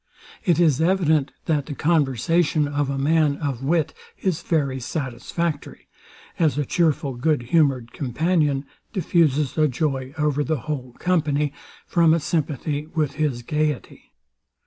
It is evident, that the conversation of a man of wit is very satisfactory; as a chearful good humoured companion diffuses a joy over the whole company, from a sympathy with his gaiety.